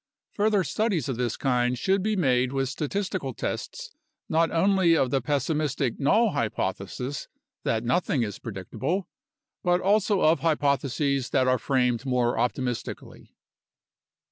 Further studies of this kind should be made with statistical tests not only of the pessimistic null hypothesis that nothing is predictable but also of hypotheses that are framed more optimistically.